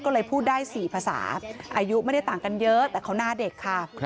ก็เลยพูดได้๔ภาษาอายุไม่ได้ต่างกันเยอะแต่เขาหน้าเด็กค่ะ